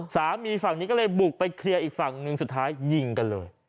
สามีฝั่งนี้ก็เลยบุกไปเคลียร์อีกฝั่งหนึ่งสุดท้ายยิงกันเลย